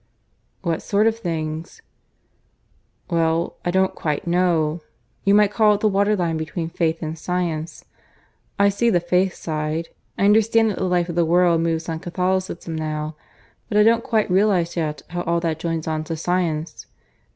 "What sort of things?" "Well, I don't quite know. ... You might call it the waterline between Faith and Science. I see the Faith side. I understand that the life of the world moves on Catholicism now; but I don't quite realize yet how all that joins on to Science.